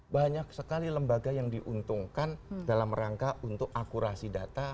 banyak sekali lembaga yang diuntungkan dalam rangka untuk akurasi data